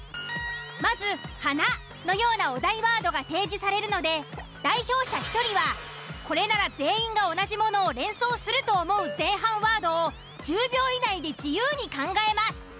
まず「花」のようなお題ワードが提示されるので代表者１人はこれなら全員が同じものを連想すると思う前半ワードを１０秒以内で自由に考えます。